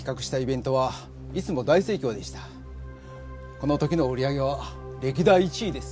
この時の売り上げは歴代１位です。